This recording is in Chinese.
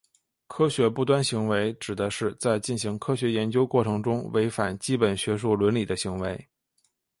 科学不端行为指的是在进行科学研究过程中违反基本学术伦理的行为。